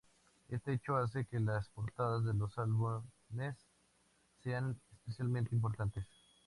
Este hecho hace que las portadas de los álbumes sean especialmente importantes.